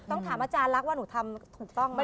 ต้องถามอาจารย์ลักษณ์ว่าหนูทำถูกต้องไหม